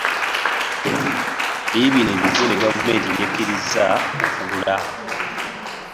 Biibino ebizimbe Gavumenti byekkirizza okuggulwa.